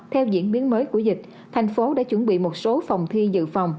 theo diễn biến mới của dịch thành phố đã chuẩn bị một số phòng thi dự phòng